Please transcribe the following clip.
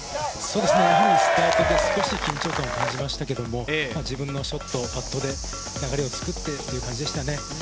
スタートでちょっと緊張感を感じましたけど自分のショット、パットで流れを作ってという感じでしたね。